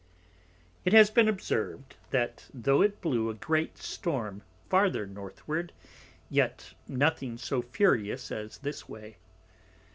It has been observ'd, that tho' it blew a great Storm farther Northward, yet nothing so furious as this way.